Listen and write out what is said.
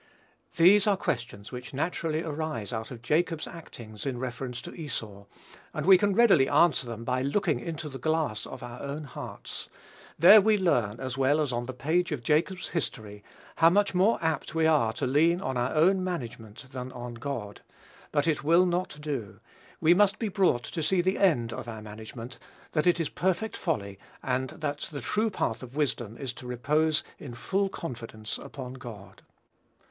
These are questions which naturally arise out of Jacob's actings in reference to Esau, and we can readily answer them by looking into the glass of our own hearts. There we learn, as well as on the page of Jacob's history, how much more apt we are to lean on our own management than on God; but it will not do; we must be brought to see the end of our management, that it is perfect folly, and that the true path of wisdom is to repose in full confidence upon God.